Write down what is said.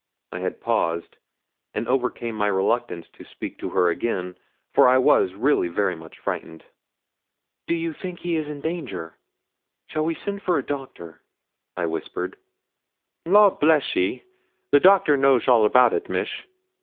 I had paused, and overcame my reluctance to speak to her again, for I was really very much frightened. 'Do you think he is in danger? Shall we send for a doctor?' I whispered. 'Law bless ye, the doctor knows all about it, miss.'